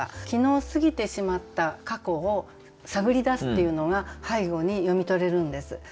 昨日過ぎてしまった過去を探り出すっていうのが背後に読み取れるんです。